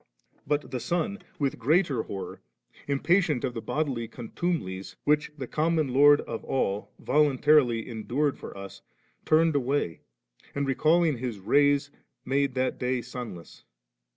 But the sun, with greater horror, im patient of the bodily contumelies, which the common Lord of all voluntarily endured for us, turned away, and recalling his rays made that day sunless.